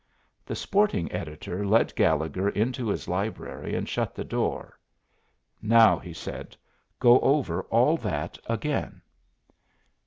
The sporting editor led Gallegher into his library and shut the door. "Now," he said, "go over all that again."